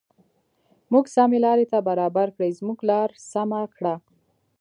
موږ سمې لارې ته برابر کړې زموږ لار سمه کړه.